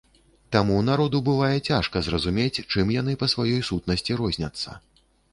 Таму народу бывае цяжка зразумець, чым яны па сваёй сутнасці розняцца.